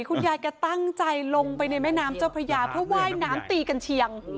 คุณยายแกตั้งใจลงไปในแม่น้ำเจ้าพระยาเพื่อว่ายน้ำตีกันเชียง